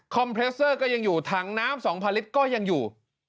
เพรสเตอร์ก็ยังอยู่ถังน้ำ๒๐๐ลิตรก็ยังอยู่